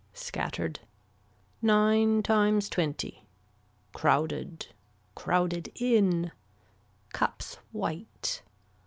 Scattered. Nine times twenty. Crowded. Crowded in. Cups white.